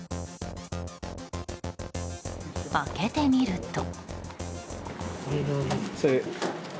開けてみると。